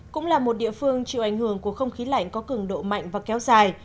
cũng là một địa phương chịu ảnh hưởng của không khí lạnh có cường độ mạnh và kéo dài